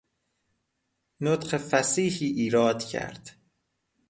نطق فصیحی ایراد کرد